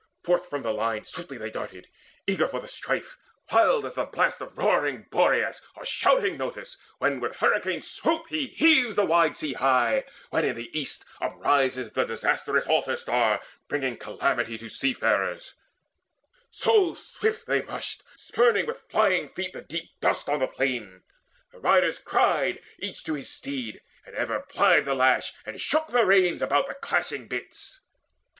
Forth from the line Swiftly they darted, eager for the strife, Wild as the blasts of roaring Boreas Or shouting Notus, when with hurricane swoop He heaves the wide sea high, when in the east Uprises the disastrous Altar star Bringing calamity to seafarers; So swift they rushed, spurning with flying feet The deep dust on the plain. The riders cried Each to his steed, and ever plied the lash And shook the reins about the clashing bits.